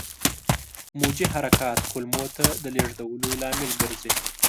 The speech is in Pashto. موجي حرکات کولمو ته د لېږدولو لامل ګرځي.